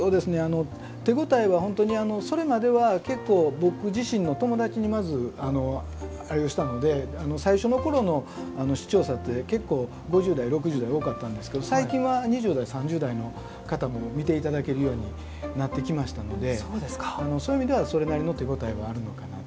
手応えは本当にそれまでは結構僕自身の友達にまずあれをしたので最初の頃の視聴者って結構５０代６０代多かったんですけど最近は２０代３０代の方も見て頂けるようになってきましたのでそういう意味ではそれなりの手応えはあるのかな。